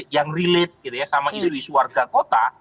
yang relate sama isu isu warga kota